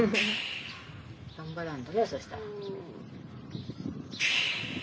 頑張らんとなそしたら。